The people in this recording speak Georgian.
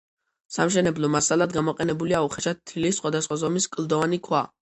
სამშენებლო მასალად გამოყენებულია უხეშად თლილი, სხვადასხვა ზომის კლდოვანი ქვა.